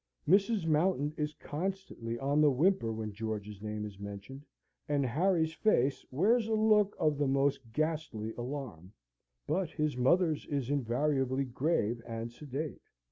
Mrs. Mountain is constantly on the whimper when George's name is mentioned, and Harry's face wears a look of the most ghastly alarm; but his mother's is invariably grave and sedate.